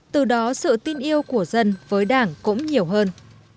từ đó sự tin yêu của dân với đảng cũng nhiều hơn